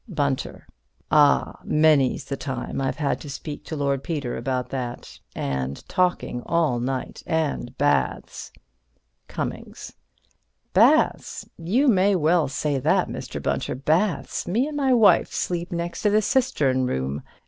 Bunter: Ah, many's the time I've had to speak to Lord Peter about that. And talking all night. And baths. Cummings: Baths? You may well say that, Mr. Bunter. Baths? Me and my wife sleep next to the cistern room.